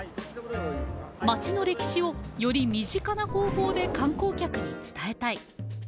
街の歴史をより身近な方法で観光客に伝えたい。